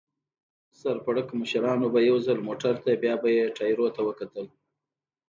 سر پړکمشرانو به یو ځل موټر ته بیا به یې ټایرونو ته وکتل.